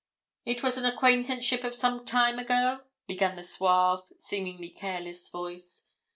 It was an acquaintanceship of some time ago?" began the suave, seemingly careless voice.